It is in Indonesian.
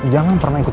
jangan pernah ikut